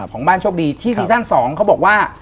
ของบ้านโชคดีที่ซีซั่น๒เขาบอกว่า